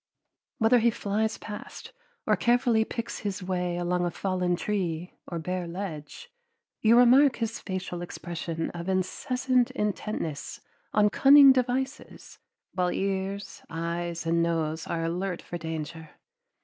Whether he flies past or carefully picks his way along a fallen tree or bare ledge, you remark his facial expression of incessant intentness on cunning devices, while ears, eyes, and nose are alert for danger.